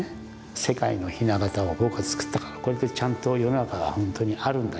世界の「ひな形」を僕は作ったからこれでちゃんと世の中が本当にあるんだよ。